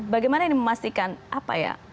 bagaimana ini memastikan apa ya